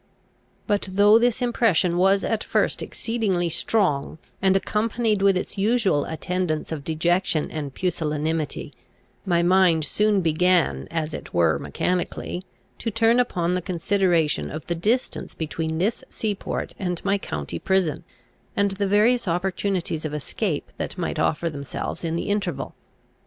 But though this impression was at first exceedingly strong, and accompanied with its usual attendants of dejection and pusillanimity, my mind soon began, as it were mechanically, to turn upon the consideration of the distance between this sea port and my county prison, and the various opportunities of escape that might offer themselves in the interval.